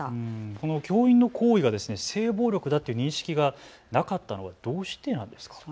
この教員の行為が性暴力だという認識がなかったのはどうしてなんですか。